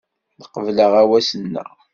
Teqbel aɣawas-nneɣ.